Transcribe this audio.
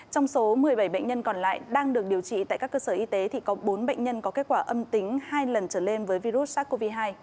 trong số một mươi bảy bệnh nhân còn lại đang được điều trị tại các cơ sở y tế thì có bốn bệnh nhân có kết quả âm tính hai lần trở lên với virus sars cov hai